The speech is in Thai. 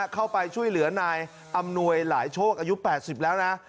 เข้าไปช่วยเหลือนายอำนวยหลายโชคอายุ๘๐แล้วนะ